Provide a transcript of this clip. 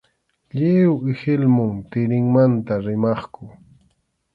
Lliw ihilmum tirinmanta rimaqku.